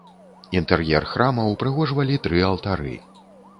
Інтэр'ер храма ўпрыгожвалі тры алтары.